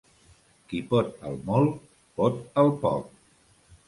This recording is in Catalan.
Qui pot el molt, pot el poc.